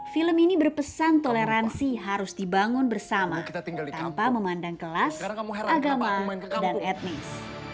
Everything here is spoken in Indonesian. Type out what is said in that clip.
film ini berpesan toleransi harus dibangun bersama tanpa memandang kelas agama dan etnis